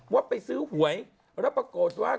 ว่าไปซื้อหวยแล้วปรากฏว่า